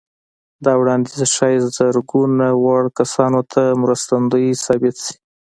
دا وړانديز ښايي زرګونه وړ کسانو ته مرستندوی ثابت شي.